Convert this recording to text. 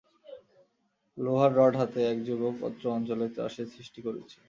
লোহার রড হাতে এক যুবক অত্র অঞ্চলে ত্রাসের সৃষ্টি করেছে।